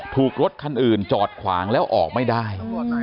ถูกรถคันอื่นจอดขวางแล้วออกไม่ได้